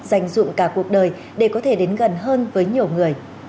dành dụng cả cuộc đời để có thể đến gần hơn với nhiều người